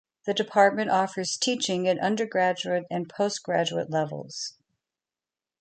The Department offers teaching at undergraduate and postgraduate levels.